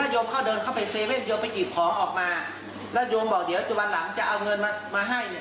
แล้วยงว่าเดี๋ยวยังว่ามีวันหลังจะเอาเเกิดมันมาให้